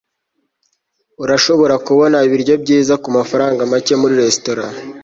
urashobora kubona ibiryo byiza kumafaranga make muri resitora